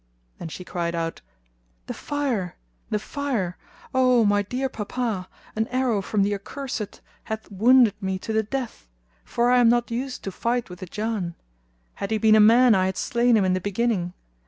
Then she cried out, "The fire! The fire! O my dear papa an arrow from the accursed hath wounded me to the death, for I am not used to fight with the Jann; had he been a man I had slain him in the beginning.